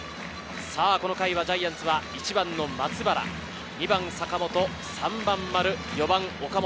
この回はジャイアンツ１番の松原、２番・坂本、３番・丸、４番・岡本。